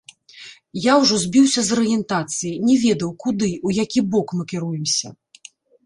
Я ўжо збіўся з арыентацыі, не ведаў, куды, у які бок мы кіруемся.